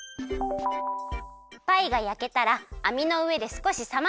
パイがやけたらあみのうえですこしさましておくよ。